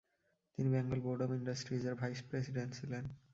তিনি Bengal board of ইন্ডাস্ট্রিজের vice president ছিলেন।